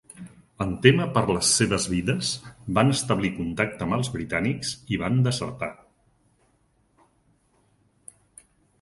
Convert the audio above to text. En témer per les seves vides, van establir contacte amb els britànics i van desertar.